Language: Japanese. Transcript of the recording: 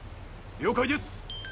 了解です！